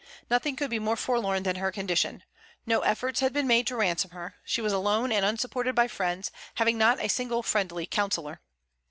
Nothing could be more forlorn than her condition. No efforts had been made to ransom her. She was alone, and unsupported by friends, having not a single friendly counsellor.